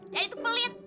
dadi tuh pelit